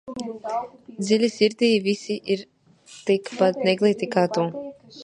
Dziļi sirdī visi ir tikpat neglīti kā tu?